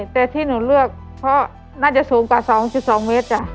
แต่ที่หนูเลือกเพราะน่าจะสูงกว่า๒๒เมตรจ้ะ